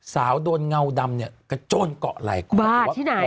สาวโดนเงาดำเนี่ยกระโจรเกาะหลายคน